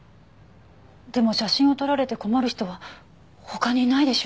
でも写真を撮られて困る人は他にいないでしょ。